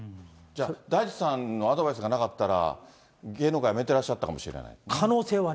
大地さんのアドバイスがなかったら、芸能界辞めてらっしゃったかもしれない？